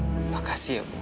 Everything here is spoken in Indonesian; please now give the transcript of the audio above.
terima kasih ibu